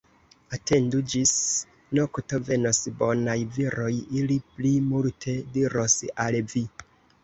Atendu ĝis nokto, venos bonaj viroj, ili pli multe diros al vi.